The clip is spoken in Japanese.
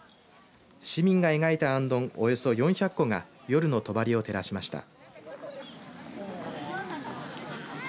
市民が描いたあんどん、およそ４００個が夜のとばりを照らしました。